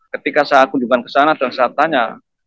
ketika saya kunjungkan kesana dan saya tanya